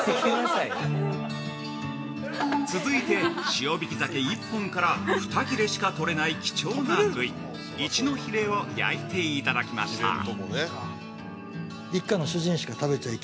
◆続いて、塩引き鮭一本から２切れしか取れない貴重な部位「イチのひれ」を焼いていただきました。